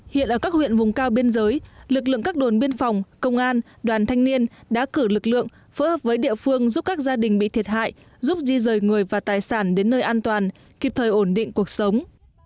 hiện ở các huyện vùng cao biên giới lực lượng các đồn biên phòng công an đoàn thanh niên đã cử lực lượng phối hợp với địa phương giúp các gia đình bị thiệt hại giúp di rời người và tài sản đến nơi an toàn kịp thời ổn định cuộc sống